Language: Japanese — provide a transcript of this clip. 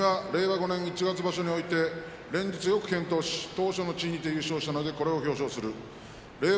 ５年一月場所において連日よく健闘し頭書の地位にて優勝したのでこれを表彰する令和